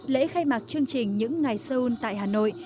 lễ khai mạc chương trình những ngày seoul tại hà nội